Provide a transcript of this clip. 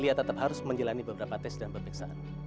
lia tetap harus menjalani beberapa tes dan pemiksaan